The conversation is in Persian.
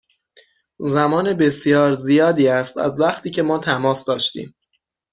زمان بسیار زیادی است از وقتی که ما تماس داشتیم.